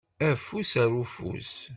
Afus ar ufus.